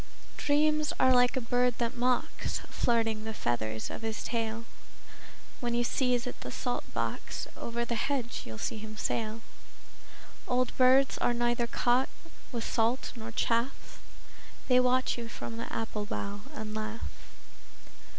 Dreams are like a bird that mocks, Flirting the feathers of his tail. When you sieze at the salt box, Over the hedge you'll see him sail. Old birds are neither caught with salt nor chaff: They watch you from the apple bough and laugh.